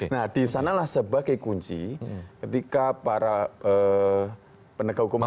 nah disanalah sebagai kunci ketika para penegak hukum itu